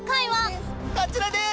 こちらです。